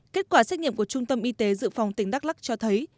kết quả xét nghiệm của trung tâm y tế dự phòng tỉnh đắk lắc cho thấy